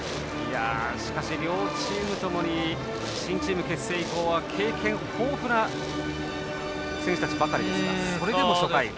しかし、両チームともに新チーム結成以降は経験豊富な選手たちばかりですがそれでも初回。